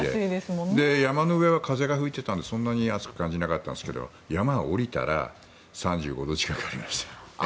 山の上は風が吹いていたのでそんなに暑く感じなかったんですけど山を下りたら３５度近くありました。